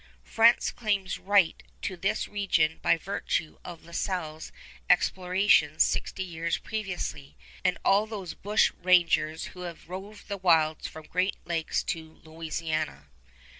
France claims right to this region by virtue of La Salle's explorations sixty years previously, and of all those French bushrangers who have roved the wilds from the Great Lakes to Louisiana.